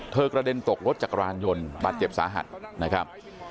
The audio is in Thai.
กระเด็นตกรถจักรยานยนต์บาดเจ็บสาหัสนะครับ